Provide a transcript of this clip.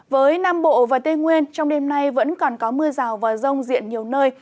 với nam bộ và tây nguyên trong đêm nay vẫn còn có mưa rào và rông diện nhiều nơi